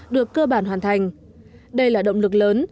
được cơ bản hoàn thành đây là động lực lớn